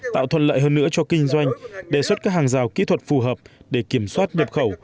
tạo thuận lợi hơn nữa cho kinh doanh đề xuất các hàng rào kỹ thuật phù hợp để kiểm soát nhập khẩu